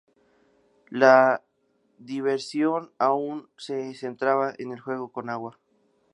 La diversión aún se centraba en el juego con agua.